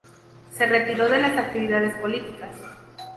Se retiró de las actividades políticas.